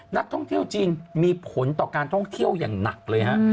นักท่องเที่ยวจีนมีผลต่อการท่องเที่ยวอย่างหนักเลยฮะ